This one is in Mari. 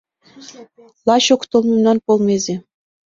Лач ок тол мемнан полмезе.